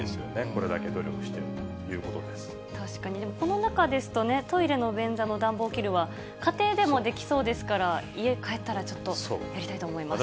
これだけ努力しているということ確かに、この中ですとトイレの便座の暖房を切るのは、家庭でもできそうですから、家帰ったら、ちょっとやりたいと思います。